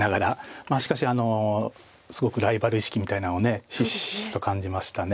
しかしすごくライバル意識みたいなのをひしひしと感じました。